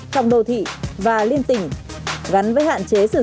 không đô thị và liên tình gắn với hạn chế sử dụng